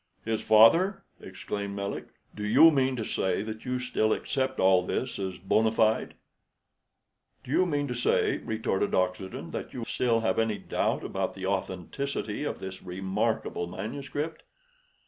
"His father!" exclaimed Melick. "Do you mean to say that you still accept all this as bona fide?" "Do you mean to say," retorted Oxenden, "that you still have any doubt about the authenticity of this remarkable manuscript?"